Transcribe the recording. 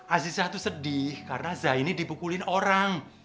aziza sedih karena zaini dibukulin orang